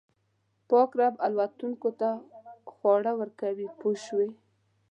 پاک رب الوتونکو ته خواړه ورکوي پوه شوې!.